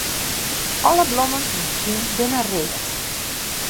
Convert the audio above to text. Alle blommen yn 'e tún binne read.